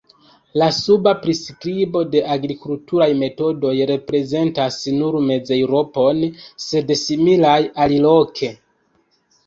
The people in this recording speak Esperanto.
La suba priskribo de agrikulturaj metodoj reprezentas nur Mez-Eŭropon, sed similaj aliloke.